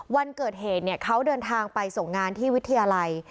วันเกิดเหตุเขาเดินทางไปส่งงานที่วิทยาลัย